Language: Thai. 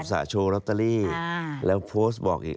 สะโชว์ลอตเตอรี่แล้วโพสต์บอกอีก